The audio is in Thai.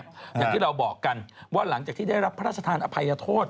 อย่างที่เราบอกกันว่าหลังจากที่ได้รับพระราชทานอภัยโทษ